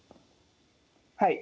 はい。